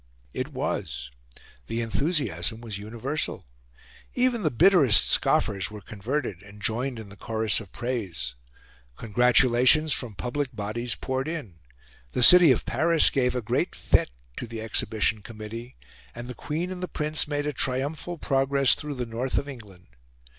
It was. The enthusiasm was universal; even the bitterest scoffers were converted, and joined in the chorus of praise. Congratulations from public bodies poured in; the City of Paris gave a great fete to the Exhibition committee; and the Queen and the Prince made a triumphal progress through the North of England.